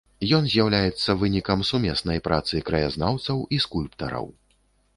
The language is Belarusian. Ён з'яўляецца вынікам сумеснай працы краязнаўцаў і скульптараў.